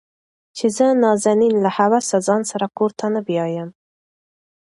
چې زه نازنين له حواسه ځان سره کور ته نه بيايم.